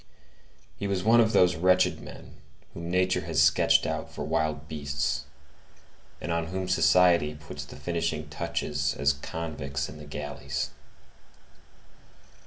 He was one of those wretched men whom nature has sketched out for wild beasts, and on whom society puts the finishing touches as convicts in the galleys.